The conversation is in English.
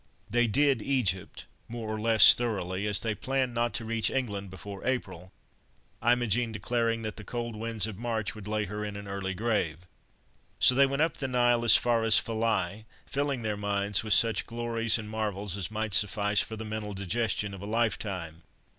They "did" Egypt more or less thoroughly, as they planned not to reach England before April—Imogen declaring that "the cold winds of March" would lay her in an early grave. So they went up the Nile as far as Philæ, filling their minds with such glories and marvels as might suffice for the mental digestion of a lifetime.